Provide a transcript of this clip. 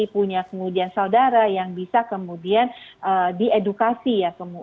punya kemudian saudara yang bisa kemudian diedukasi ya